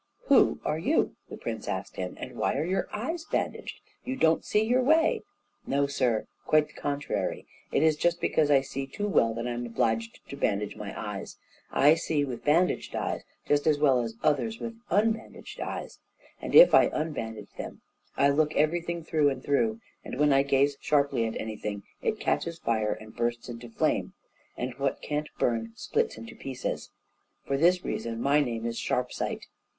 "Who are you?" the prince asked him, "and why are your eyes bandaged? You don't see your way!" "No, sir, quite the contrary! It is just because I see too well that I am obliged to bandage my eyes; I see with bandaged eyes just as well as others with unbandaged eyes; and if I unbandage them I look everything through and through, and when I gaze sharply at anything it catches fire and bursts into flame, and what can't burn splits into pieces. For this reason my name is Sharpsight."